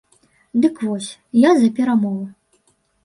Дык вось, я за перамовы.